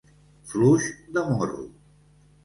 Fluix de morro.